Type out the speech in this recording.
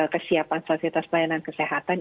kesiapan sosialitas pelayanan kesehatan